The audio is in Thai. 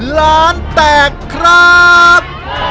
ร้านแตกครับ